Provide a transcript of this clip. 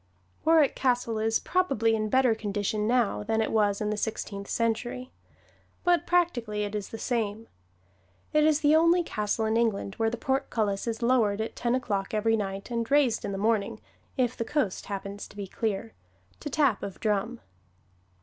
Warwick Castle is probably in better condition now than it was in the Sixteenth Century. But practically it is the same. It is the only castle in England where the portcullis is lowered at ten o'clock every night and raised in the morning (if the coast happens to be clear) to tap of drum.